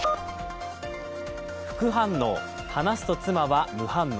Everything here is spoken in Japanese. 副反応話すと妻は無反応。